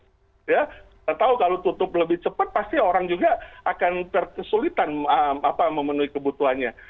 kita tahu kalau tutup lebih cepat pasti orang juga akan kesulitan memenuhi kebutuhannya